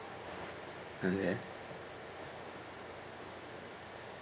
何で？